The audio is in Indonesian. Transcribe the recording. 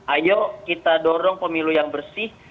ayo kita dorong pemilu yang bersih